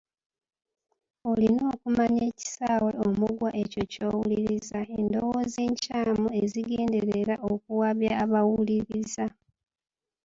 Olina okumanya ekisaawe omugwa ekyo ky’owuliriza, endowooza enkyamu ezigenderera okuwabya abawuluriza.